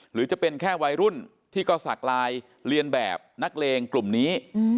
หรือจะเป็นแค่วัยรุ่นที่ก็สักลายเรียนแบบนักเลงกลุ่มนี้